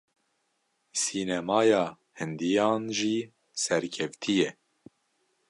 Sînemaya Hindiyan jî serkevtî ye.